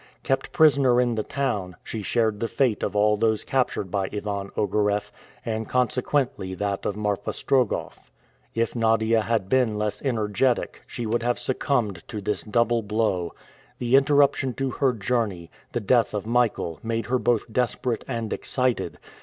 Kept prisoner in the town, she shared the fate of all those captured by Ivan Ogareff, and consequently that of Marfa Strogoff. If Nadia had been less energetic, she would have succumbed to this double blow. The interruption to her journey, the death of Michael, made her both desperate and excited.